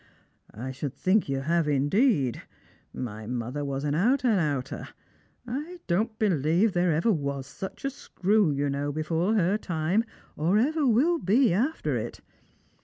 " I should think yoii have indeed ; my mother was an out and outer. I don't believe there was ever such a screw, you know, before her time, or ever will be after it.